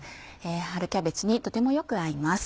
春キャベツにとてもよく合います。